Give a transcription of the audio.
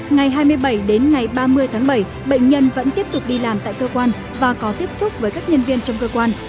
ngày hai mươi bảy đến ngày ba mươi tháng bảy bệnh nhân vẫn tiếp tục đi làm tại cơ quan và có tiếp xúc với các nhân viên trong cơ quan